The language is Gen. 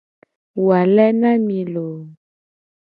Wale na mi loo.